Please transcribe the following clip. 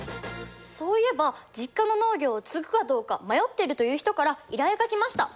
そういえば実家の農業を継ぐかどうか迷ってるという人から依頼が来ました。